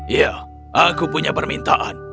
iya aku punya permintaan